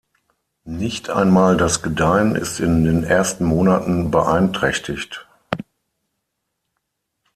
Nicht einmal das Gedeihen ist in den ersten Monaten beeinträchtigt.